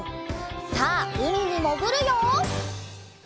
さあうみにもぐるよ！